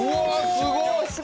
すごい！